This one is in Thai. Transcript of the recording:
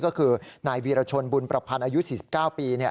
ก็คือนายวีรชนบุญประพันธ์อายุ๔๙ปี